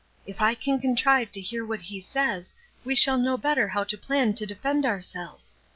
If I can contrive to hear what he says, we shall know better how to plan to defend ourselves.